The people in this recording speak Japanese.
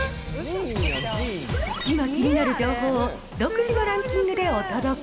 今、気になる情報を独自のランキングでお届け。